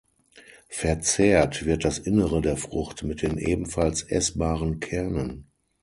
Verzehrt wird das Innere der Frucht mit den ebenfalls essbaren Kernen.